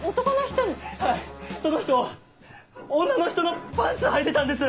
はいその人女の人のパンツはいてたんです！